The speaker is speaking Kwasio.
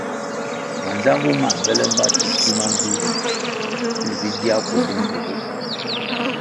Manzangu mãh bele mbpa titima mvih pil vi gia kuendi mbpuogu.